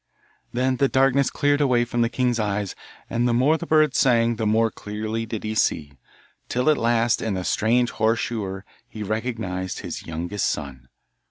Then the darkness cleared away from the king's eyes, and the more the bird sang the more clearly did he see, till at last in the strange horse shoer he recognised his youngest son.